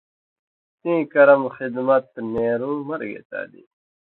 تیں کرم خدمت نېرُوں مرگے تادی